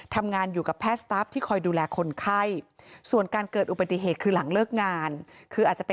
ทางรายวิทยาศาสตร์ฉุกเชิญนะครับ